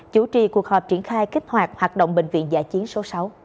chủ trì cuộc họp triển khai kích hoạt hoạt động bệnh viện giả chiến số sáu